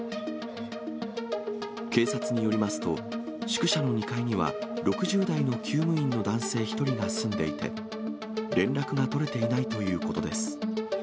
警察によりますと、宿舎の２階には６０代のきゅう務員の男性１人が住んでいて、連絡が取れていないということです。